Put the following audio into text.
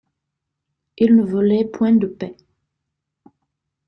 Il ne voulait point de paix.